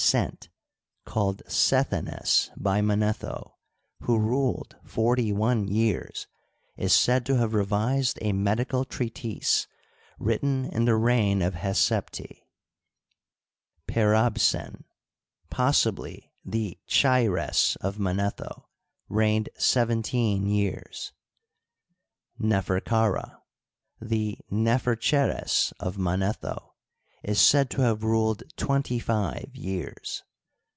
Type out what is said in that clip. Sent, called Sethenes by Manetho, who ruled forty one years, is said to have revised a medical treatise written in the reign of Hesepti, Perabsen, possibly the Chaires of Manetho, reigned seventeen years. Neferkara, the Nephercheres of Manetho, is said to have ruled twenty five years.